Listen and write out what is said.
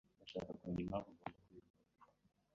Ndashaka kumenya impamvu ngomba kubikora.